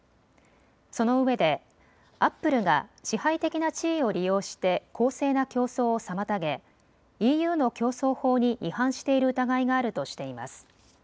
そのうえでアップルが支配的な地位を利用して公正な競争を妨げＥＵの競争法に違反している疑いがあるとしています。